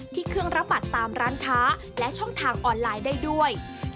เครื่องรับบัตรตามร้านค้าและช่องทางออนไลน์ได้ด้วย